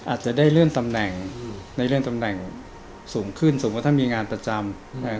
อาจจะได้เรื่องตำแหน่งสูงขึ้นสมมุติว่าถ้ามีงานตระจำ